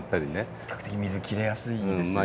比較的水切れやすいんですよね。